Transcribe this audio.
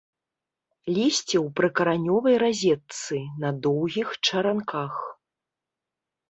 Лісце ў прыкаранёвай разетцы, на доўгіх чаранках.